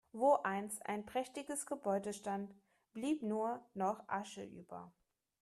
Wo einst ein prächtiges Gebäude stand, blieb nur noch Asche über.